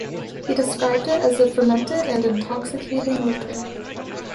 He described it as a "fermented" and "intoxicating liquor.